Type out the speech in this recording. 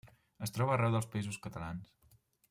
Es troba arreu dels Països Catalans.